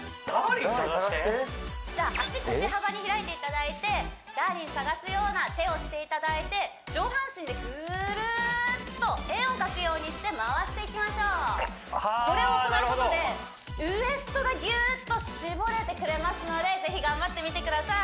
じゃあ足腰幅に開いていただいてダーリン探すような手をしていただいて上半身でグルーッと円を描くようにして回していきましょうこれを行うことでウエストがギューッと絞れてくれますのでぜひ頑張ってみてください